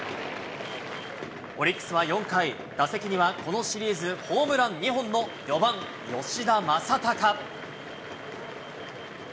オリックスは４回、打席にはこのシリーズ、ホームラン２本の４番吉田正尚。